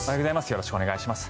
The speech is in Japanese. よろしくお願いします。